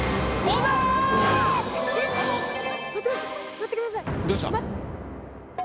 どうしたん？